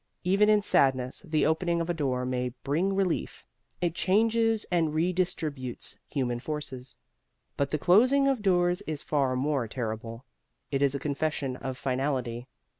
Even in sadness, the opening of a door may bring relief: it changes and redistributes human forces. But the closing of doors is far more terrible. It is a confession of finality.